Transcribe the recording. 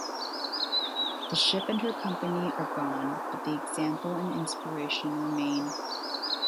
The ship and her company are gone, but the example and inspiration remain.